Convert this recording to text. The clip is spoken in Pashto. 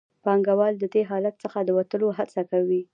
پانګوال د دې حالت څخه د وتلو هڅه کوي